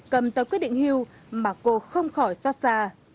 cầm tập quyết định hưu mà cô không khỏi xót xa